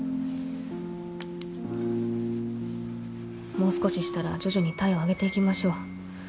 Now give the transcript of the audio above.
もう少ししたら徐々に体温上げていきましょう。